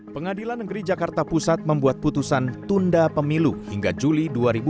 pengadilan negeri jakarta pusat membuat putusan tunda pemilu hingga juli dua ribu dua puluh